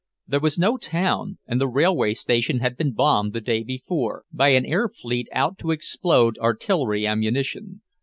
There was no town, and the railway station had been bombed the day before, by an air fleet out to explode artillery ammunition.